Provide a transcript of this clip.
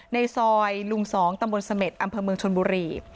ในซอยลุง๒ตำบลเสม็ดอำเภอเมืองชนบุรี